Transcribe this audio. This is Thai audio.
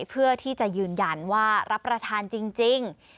เพื่อที่จะยืนยันว่ารับประทานจริง